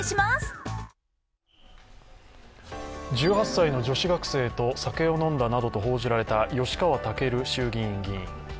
１８歳の女子学生と酒を飲んだなどと報じられた吉川赳衆議院議員。